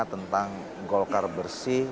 tentang golkar bersih